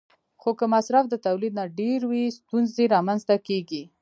خو که مصرف د تولید نه ډېر وي، ستونزې رامنځته کېږي.